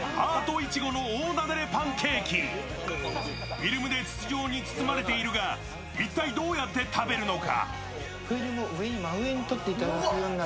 フィルムで筒状に包まれているが一体どうやって食べるのか。